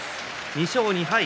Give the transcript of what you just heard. ２勝２敗。